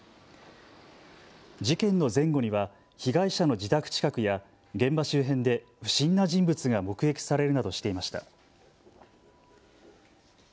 事件の前後には被害者の自宅近くや現場周辺で不審な人物が目撃されるなどしていました。